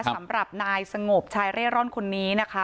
สำหรับนายสงบชายเร่ร่อนคนนี้นะคะ